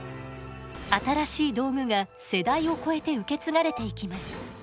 新しい道具が世代を超えて受け継がれていきます。